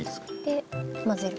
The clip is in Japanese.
で混ぜる？